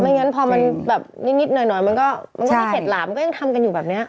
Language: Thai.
ไม่งั้นพอมันแบบนิดนิดหน่อยหน่อยมันก็ใช่มันก็มีเหตุหล่ามันก็ยังทำกันอยู่แบบเนี้ย